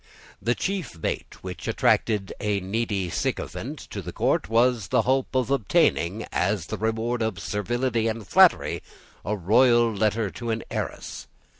The chief bait which attracted a needy sycophant to the court was the hope of obtaining as the reward of servility and flattery, a royal letter to an heiress.